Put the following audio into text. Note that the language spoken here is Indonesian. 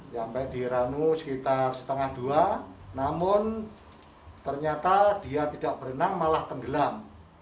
sampai di ranu sekitar setengah dua namun ternyata dia tidak berenang malah tenggelam